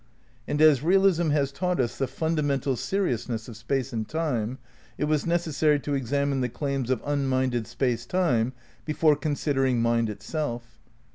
And as realism has taught us the fundamental seriousness of Space and Time, it was nec essary to examine the claims of unminded Space Time before considering mind itself.